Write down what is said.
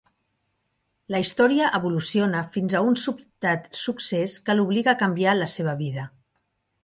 La història evoluciona fins a un sobtat succés que l'obliga a canviar la seva vida.